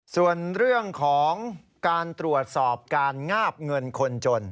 ส่วนเรื่องของการตรวจสอบการงาบเงินคนจน